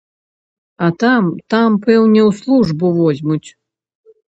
А там, там пэўне ў службу возьмуць.